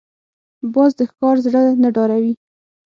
باز د ښکار زړه نه ډاروي